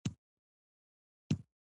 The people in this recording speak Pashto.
چې خارجيان افغانان ځوروي.